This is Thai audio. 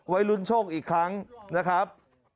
ลุ้นโชคอีกครั้งนะครับ